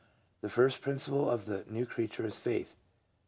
... The first principle of the new creature is faith.